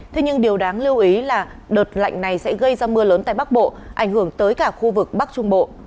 thế nhưng điều đáng lưu ý là đợt lạnh này sẽ gây ra mưa lớn tại bắc bộ ảnh hưởng tới cả khu vực bắc trung bộ